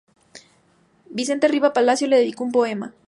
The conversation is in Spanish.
Vicente Riva Palacio le dedicó un poema.